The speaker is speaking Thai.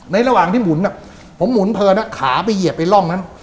ระหว่างที่หมุนผมหมุนเพลินขาไปเหยียบไอ้ร่องนั้น